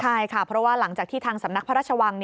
ใช่ค่ะเพราะว่าหลังจากที่ทางสำนักพระราชวัง